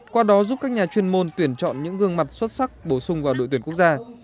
qua đó giúp các nhà chuyên môn tuyển chọn những gương mặt xuất sắc bổ sung vào đội tuyển quốc gia